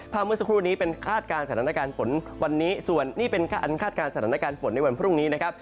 เมื่อสักครู่นี้เป็นคาดการณ์สถานการณ์ฝนวันนี้ส่วนนี่เป็นอันคาดการณ์สถานการณ์ฝนในวันพรุ่งนี้นะครับ